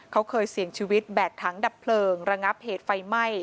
เขาเคยเสี่ยงชีวิตแบกถังดับเพลิงระงับเหตุไฟไหม้